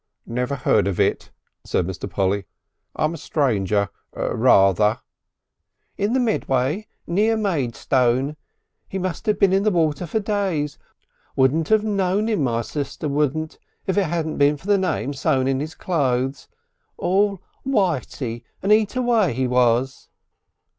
"Never heard of it," said Mr. Polly. "I'm a stranger rather." "In the Medway near Maidstone. He must have been in the water for days. Wouldn't have known him, my sister wouldn't, if it hadn't been for the name sewn in his clothes. All whitey and eat away he was."